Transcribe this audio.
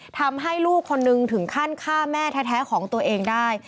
ทำให้ลูกคนนึงถึงขั้นฆ่าแม่แท้ของตัวเองได้